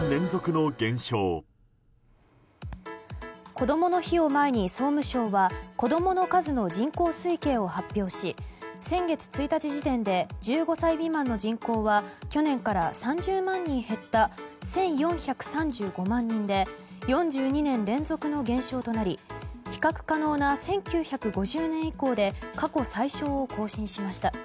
こどもの日を前に総務省は子供の数の人口推計を発表し先月１日時点で１５歳未満の人口は去年から３０万人減った１４３５万人で４２年連続の減少となり比較可能な１９５０年以降で過去最少を更新しました。